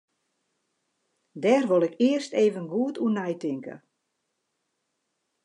Dêr wol ik earst even goed oer neitinke.